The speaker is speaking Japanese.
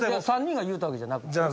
３人が言うたわけじゃなく？